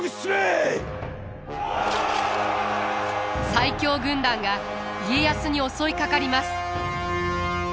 最強軍団が家康に襲いかかります。